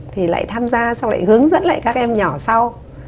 thì lại tham gia xong lại hướng dẫn lại các em nhỏ sau